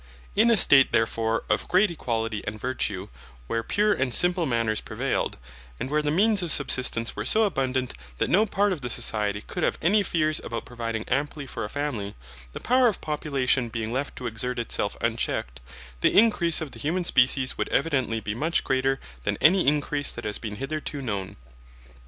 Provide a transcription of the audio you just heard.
In a state therefore of great equality and virtue, where pure and simple manners prevailed, and where the means of subsistence were so abundant that no part of the society could have any fears about providing amply for a family, the power of population being left to exert itself unchecked, the increase of the human species would evidently be much greater than any increase that has been hitherto known.